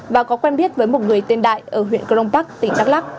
và có quen biết với một người tên đại ở huyện cơ rông tắc tỉnh đắk lắc